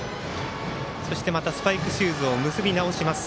そしてスパイクシューズを結び直しました。